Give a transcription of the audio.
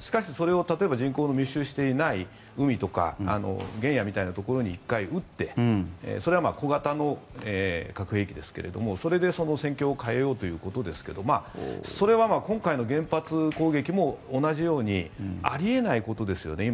しかし、それを人口の密集していない海とか原野みたいなところに１回撃ってそれは小型の核兵器ですがそれで戦況を変えようということですがそれは今回の原発攻撃も同じようにあり得ないことですよね。